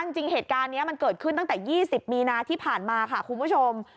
จริงเหตุการณ์นี้มันเกิดขึ้นตั้งแต่๒๐มีนาที่ผ่านมาค่ะคุณผู้ชม